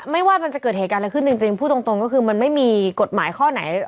ว่ามันจะเกิดเหตุการณ์อะไรขึ้นจริงพูดตรงก็คือมันไม่มีกฎหมายข้อไหน